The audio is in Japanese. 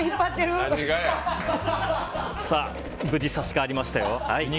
無事、差し替わりましたよ。